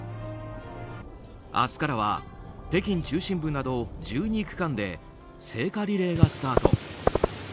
明日からは北京中心部など１２区間で聖火リレーがスタート。